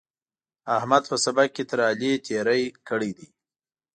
احمد په سبق کې تر علي تېری کړی دی.